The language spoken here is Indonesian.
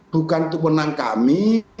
bukan tukunan kami